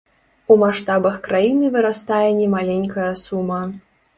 У маштабах краіны вырастае немаленькая сума.